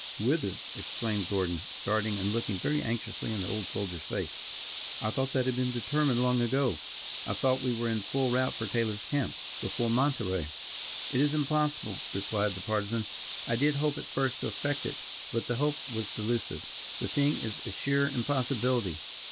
"Whither," exclaimed Gordon, starting, and looking very anxiously in the old soldier's face. "I thought that had been determined long ago. I thought we were in full route for Taylor's camp before Monterey." "It is impossible," replied the Partisan. "I did hope at first to effect it, but the hope was delusive the thing is a sheer impossibility.